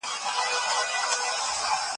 فشار د زده کړې بهیر ورو کوي.